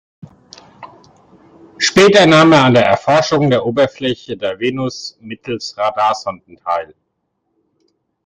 Später nahm er an der Erforschung der Oberfläche der Venus mittels Radar-Sonden teil.